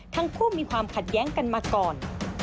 ทั้งคู่มีความขัดแย้งกันมาก่อน